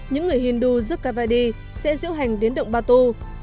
những người hindu rước kavadi sẽ diễu hành đến động batu